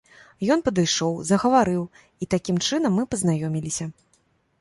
Ён падышоў, загаварыў і такім чынам мы пазнаёміліся.